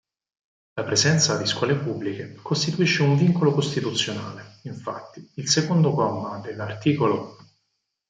La presenza di scuole pubbliche costituisce un vincolo costituzionale, infatti, il secondo comma dell'art.